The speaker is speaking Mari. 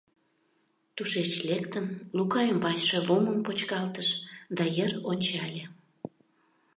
Тушеч лектын, Лука ӱмбачше лумым почкалтыш да йыр ончале.